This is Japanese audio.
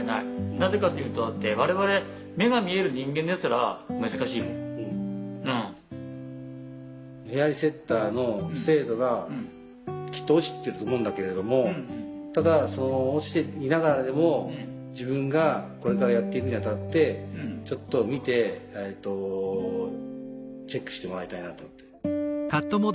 なぜかというとヘアリセッターの精度がきっと落ちてると思うんだけれどもただその落ちていながらでも自分がこれからやっていくにあたってちょっと見てチェックしてもらいたいなと思って。